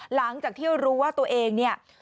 หลังจากที่รู้ว่าตัวเอง